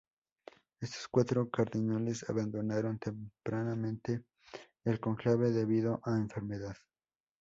Estos cuatro cardenales abandonaron tempranamente el cónclave debido a enfermedad.